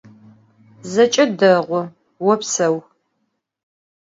Zeç'e değu, vopseu.